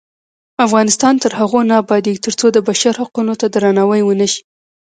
افغانستان تر هغو نه ابادیږي، ترڅو د بشر حقونو ته درناوی ونشي.